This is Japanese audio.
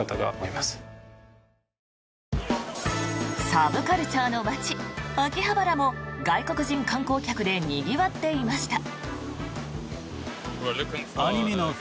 サブカルチャーの街・秋葉原も外国人観光客でにぎわっていました。